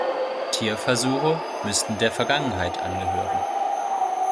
Tierversuche müssten der Vergangenheit angehören.